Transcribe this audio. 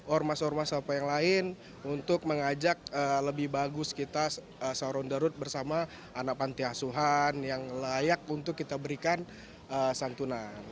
ormas ormas apa yang lain untuk mengajak lebih bagus kita sahur derut bersama anak panti asuhan yang layak untuk kita berikan santunan